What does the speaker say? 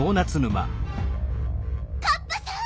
カッパさん！